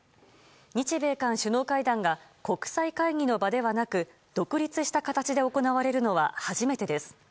日米韓首脳会談が国際会議の場ではなく独立した形で行われるのは初めてです。